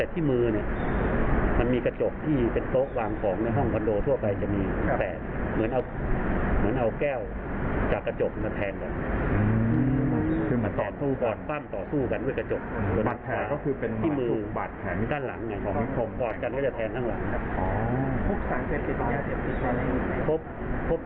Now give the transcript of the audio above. ที่มือเนี่ยมีกระจกที่เป็นโต๊ะวางของในห้องบัลโดทั่วไปจะมีแบบเหมือนเอาแก้วจะกระจกมาแทนกันต่อสู้กันด้วยกระจกที่มือกว่าจะแทนทั้งหลังครับ